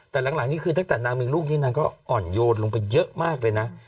แต่หลังนี้คือตั้งแต่นางมีลูกนี่นางก็อ่อนโยนลงไปเยอะมากเลยนะ